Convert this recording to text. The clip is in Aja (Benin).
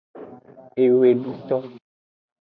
Eweduto.